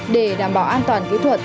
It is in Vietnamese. để đảm bảo an toàn kỹ thuật